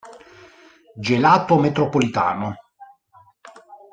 Gelato metropolitano